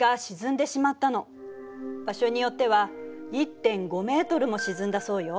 場所によっては１．５ｍも沈んだそうよ。